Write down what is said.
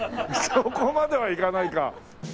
そこまではいかないか。